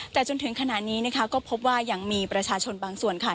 แต่จนถึงขณะนี้นะคะก็พบว่ายังมีประชาชนบางส่วนค่ะ